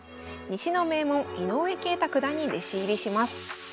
西の名門井上慶太九段に弟子入りします。